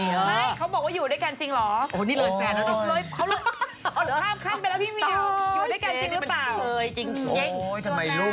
ไม่เขาบอกว่าอยู่ด้วยกันจริงเหรอ